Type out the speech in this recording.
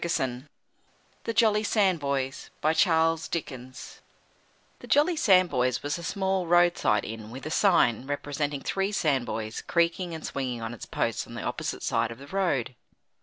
NEWMAN THE JOLLY SANDBOYS The Jolly Sandboys was a small road side inn with a sign, representing three Sandboys, creaking and swinging on its post on the opposite side of the road.